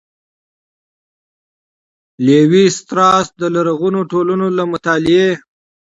''لېوي ستراس د لرغونو ټولنو له مطالعې